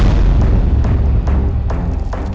mas apaan tuh itu